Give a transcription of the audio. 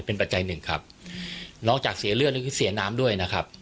เป็นปัจจัยหนึ่งครับนอกจากเสียเลือดนี่คือเสียน้ำด้วยนะครับ